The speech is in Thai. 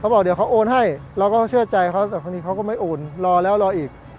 บอกเดี๋ยวเขาโอนให้เราก็เชื่อใจเขาแต่พอดีเขาก็ไม่โอนรอแล้วรออีก